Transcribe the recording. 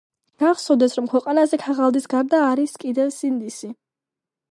გახსოვდეს რომ ქვეყანაზე ქაღალდის გარდა არის კიდევ სინდისი